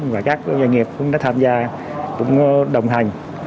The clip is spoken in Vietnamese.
và các doanh nghiệp cũng đã tham gia cũng đồng hành